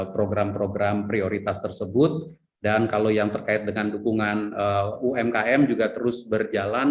program program prioritas tersebut dan kalau yang terkait dengan dukungan umkm juga terus berjalan